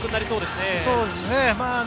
そうですね。